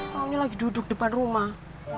taunya lagi duduk depan rumah